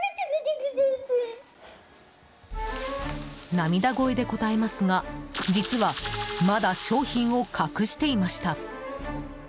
涙声で答えますが実は、まだ商品を隠していました。